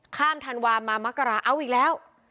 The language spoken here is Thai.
ข้ามทันวามามักกระเอาอีกแล้ว